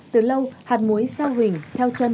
từ lâu hạt muối sao huỳnh theo chân